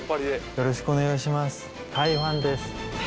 よろしくお願いします。